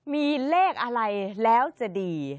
มีเลขอะไรแล้วจะดี